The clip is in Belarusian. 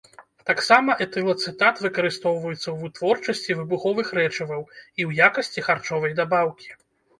Таксама этылацэтат выкарыстоўваецца ў вытворчасці выбуховых рэчываў і ў якасці харчовай дабаўкі.